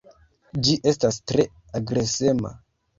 Ĝi estas tre agresema.